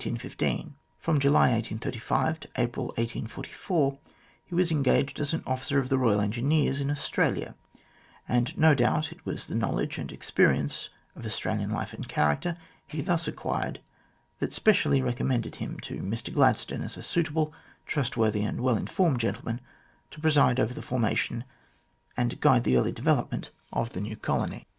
From July 1835 to April 1844, he was engaged as an officer of the Royal Engineers in Australia, and no doubt it was the knowledge and experience of Australian life and character he thus acquired that specially recommended him to Mr Gladstone as a suitable, trustworthy, and well informed gentleman to preside over the formation and guide the early development of the new colony.